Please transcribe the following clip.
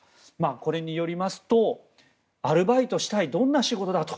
これによりますとアルバイトしたいどんな仕事だと。